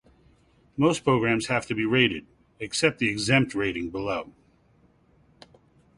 Most programs have to be rated, except the "exempt" rating below.